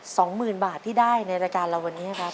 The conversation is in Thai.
สองหมื่นบาทที่ได้ในรายการเราวันนี้ครับ